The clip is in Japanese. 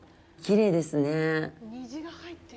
きれいですね。